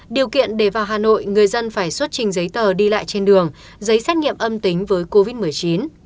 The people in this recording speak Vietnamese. điều kiện để vào hà nội người dân phải xuất trình giấy tờ đi lại trên đường giấy xét nghiệm âm tính với covid một mươi chín